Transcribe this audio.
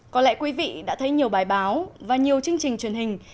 có lẽ quý vị đã thấy nhiều bài báo và nhiều chương trình truyền hình